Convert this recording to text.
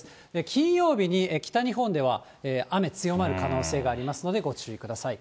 金曜日に北日本では雨、強まる可能性がありますので、ご注意ください。